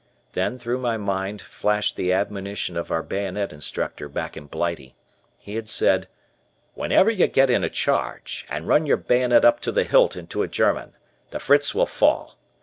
Then through my mind flashed the admonition of our bayonet instructor back in Blighty. He had said, "whenever you get in a charge and run your bayonet up to the hilt into a German, the Fritz will fall.